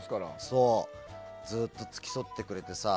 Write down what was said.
ずっと付き添ってくれてさ。